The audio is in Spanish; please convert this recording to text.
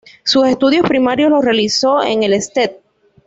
Sus estudios primarios los realizó en el ""St.